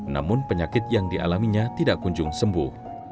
namun penyakit yang dialaminya tidak kunjung sembuh